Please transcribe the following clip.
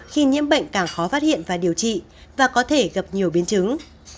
khi nhiễm bệnh càng khó phát hiện và điều trị và có thể gặp nhiều biến chứng